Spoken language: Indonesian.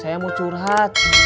saya mau curhat